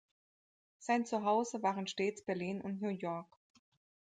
Sein Zuhause waren stets Berlin und New York.